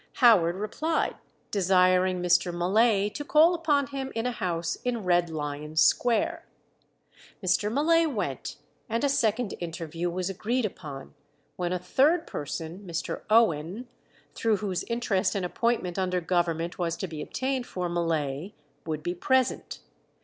Howard replied, desiring Mr. Mullay to call upon him in a house in Red Lion Square. Mr. Mullay went, and a second interview was agreed upon, when a third person, Mr. Owen, through whose interest an appointment under Government was to be obtained for Mullay, would be present.